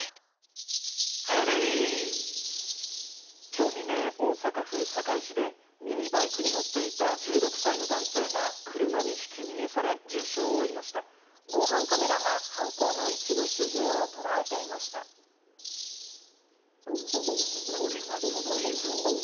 きょう未明、大阪府堺市で、ミニバイクに乗っていた１６歳の男性が車にひき逃げされ、重傷を防犯カメラが、犯行の一部始これがその映像。